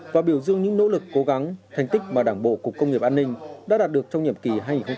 và biểu dương những nỗ lực cố gắng thành tích mà đảng bộ cục công nghiệp an ninh đã đạt được trong nhiệm kỳ hai nghìn hai mươi hai nghìn hai mươi